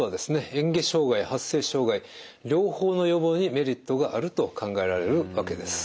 嚥下障害発声障害両方の予防にメリットがあると考えられるわけです。